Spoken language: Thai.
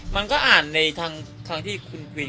มันก็อ่านธูปรูซ